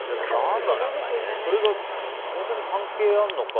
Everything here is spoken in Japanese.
それが本当に関係あるのか。